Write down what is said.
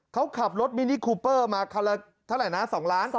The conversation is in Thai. เขาขับรถมินิคูเปอร์มาคันละเท่าไหร่นะ๒ล้าน